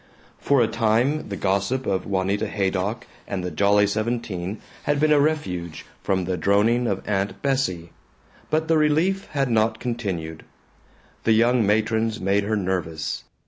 For a time the gossip of Juanita Haydock and the Jolly Seventeen had been a refuge from the droning of Aunt Bessie, but the relief had not continued. The young matrons made her nervous.